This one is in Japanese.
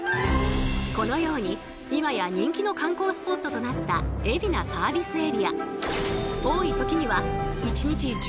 このように今や人気の観光スポットとなった海老名サービスエリア。